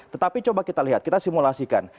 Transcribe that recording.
tetapi coba kita lihat kita simulasikan